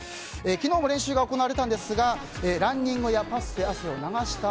昨日も練習が行われたんですがランニングやパスで汗を流した